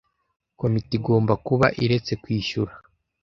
Komite igomba kuba iretse kwishyura